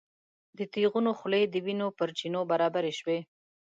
د تیغونو خولې د وینو پر چینو برابرې شوې.